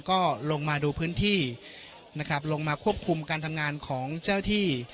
ก็ลงมาดูพื้นที่นะครับลงมาควบคุมการทำงานของเจ้าที่